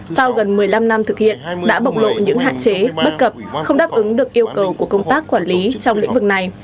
sau gần một mươi năm năm thực hiện đã bộc lộ những hạn chế bất cập không đáp ứng được yêu cầu của công tác quản lý trong lĩnh vực này